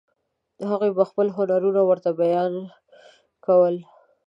هغوی به خپل هنرونه ورته بیان کول.